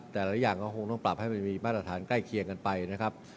หลายอย่างก็คงต้องปรับให้มันมีมาตรฐานใกล้เคียงกันไปนะครับ